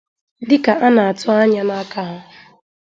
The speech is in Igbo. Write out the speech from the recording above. dịka a na-atụ anya n'aka ha